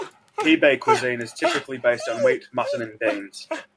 Hebei cuisine is typically based on wheat, mutton and beans.